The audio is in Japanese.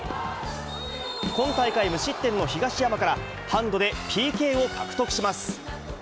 今大会無失点の東山から、ハンドでＰＫを獲得します。